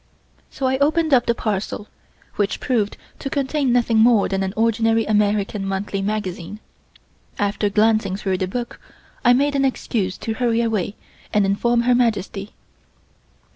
So I opened up the parcel, which proved to contain nothing more than an ordinary American monthly magazine. After glancing through the book, I made an excuse to hurry away and inform Her Majesty.